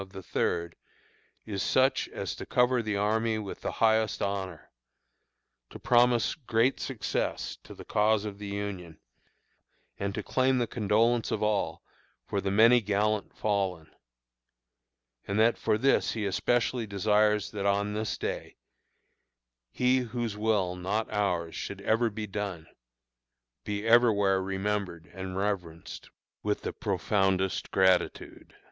of the third, is such as to cover the army with the highest honor to promise great success to the cause of the Union and to claim the condolence of all for the many gallant fallen; and that for this he especially desires that on this day, "He whose will, not ours, should ever be done," be everywhere remembered and reverenced with the profoundest gratitude.